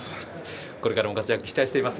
これからも活躍期待しています。